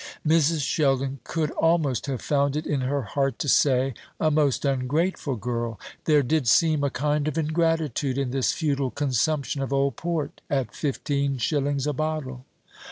Mrs. Sheldon could almost have found it in her heart to say, a most ungrateful girl. There did seem a kind of ingratitude in this futile consumption of old port at fifteen shillings a bottle.